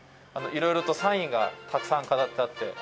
色々とサインがたくさん飾ってあって。